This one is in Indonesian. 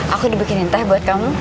aku di bikinin teh buat kamu